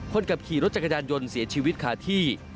คนขับขี่รถจักรยานยนต์เสียชีวิตขาดที่